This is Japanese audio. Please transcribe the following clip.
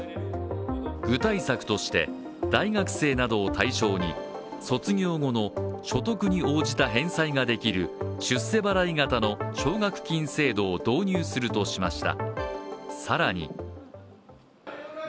具体策として、大学生などを対象に卒業後の所得に応じた返済ができる出世払い型の奨学金制度を導入するとしました。